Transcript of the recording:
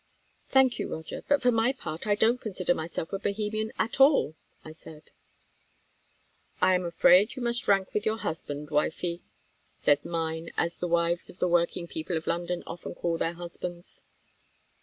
"Thank you, Roger; but for my part, I don't consider myself a Bohemian at all," I said. "I am afraid you must rank with your husband, wifie," said mine, as the wives of the working people of London often call their husbands.